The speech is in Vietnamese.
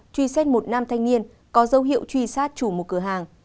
truy xét một nam thanh niên có dấu hiệu truy sát chủ một cửa hàng